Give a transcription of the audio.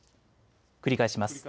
繰り返します。